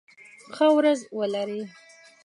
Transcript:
ښه ورځ ولری